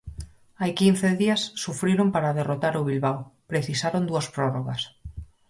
Hai quince días, sufriron para derrotar o Bilbao, precisaron dúas prórrogas.